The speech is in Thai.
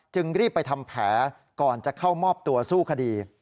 รีบไปทำแผลก่อนจะเข้ามอบตัวสู้คดี